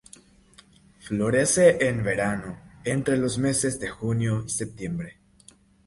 Florece en verano, entre los meses de junio y septiembre.